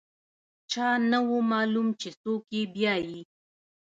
چا نه و معلوم چې څوک یې بیايي.